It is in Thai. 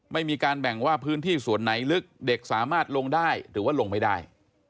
ไม่มีการแบ่งว่าพื้นที่ส่วนไหนลึกเด็กสามารถลงได้หรือว่าลงไม่ได้